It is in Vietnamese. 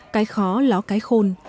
cái khó ló cái khôn